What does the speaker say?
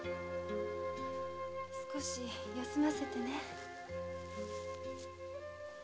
少し休ませてね。